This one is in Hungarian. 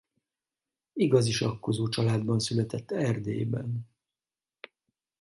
Igazi sakkozó családban született Erdélyben.